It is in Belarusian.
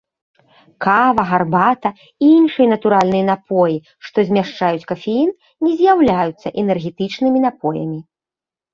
Кава, гарбата і іншыя натуральныя напоі, што змяшчаюць кафеін, не з'яўляюцца энергетычнымі напоямі.